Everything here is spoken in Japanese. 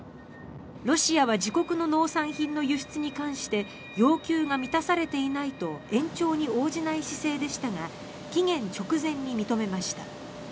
ロシアは自国の農産品の輸出に関して要求が満たされていないと延長に応じない姿勢でしたが期限直前に認めました。